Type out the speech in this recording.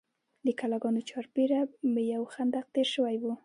د کلاګانو چارپیره به یو خندق تیر شوی و.